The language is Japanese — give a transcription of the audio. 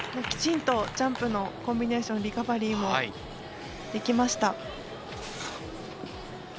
きちんとジャンプのコンビネーションリカバリーもできました。